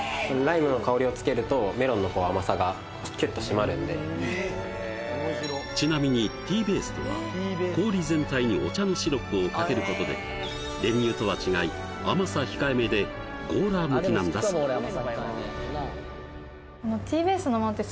緑色のちなみにティーベースとは氷全体にお茶のシロップをかけることで練乳とは違い甘さ控えめでゴーラー向きなんだそうへえ！